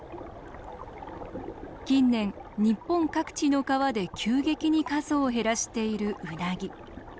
近年日本各地の川で急激に数を減らしているウナギ。